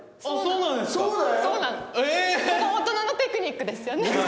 ここ大人のテクニックですよね。